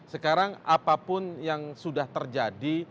sekarang apapun yang sudah terjadi